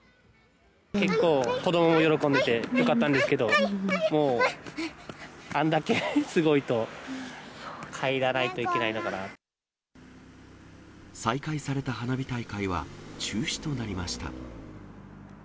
結構、子どもも喜んでてよかったんですけど、もうあんだけすごいと、再開された花火大会は、中止となりました。